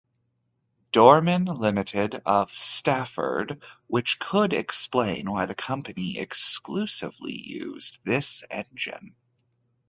Dorman Limited of Stafford, which could explain why the company exclusively used this engine.